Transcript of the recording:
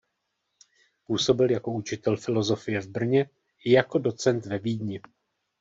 Působil jako učitel filosofie v Brně i jako docent ve Vídni.